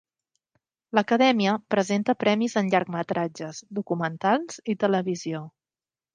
L'Acadèmia presenta premis en llargmetratges, documentals i televisió.